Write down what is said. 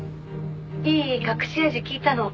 「いい隠し味聞いたの。